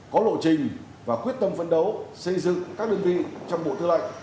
có lộ trình và quyết tâm phấn đấu xây dựng các đơn vị trong bộ tư lệnh